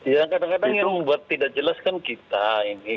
yang kadang kadang yang membuat tidak jelas kan kita ini